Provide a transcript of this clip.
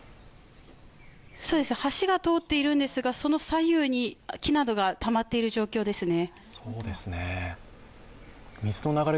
そうです、橋が通っているんですがその左右に木などがたまっている状況ですね。